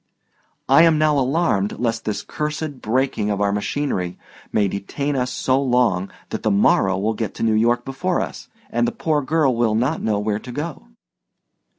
I am now alarmed lest this cursed breaking of our machinery may detain us so long that the Morrow will get to New York before us, and the poor girl will not know where to go."